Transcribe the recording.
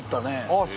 ああ